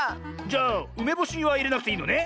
じゃあうめぼしはいれなくていいのね？